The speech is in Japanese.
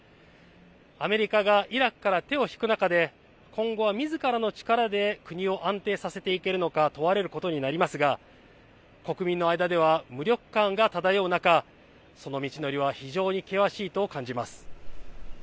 アメリカがイラクから手を引く中で今後はみずからの力で国を安定させていけるのか問われることになりますが国民の間では無力感が漂う中その道のりは非常に険しいと感じます。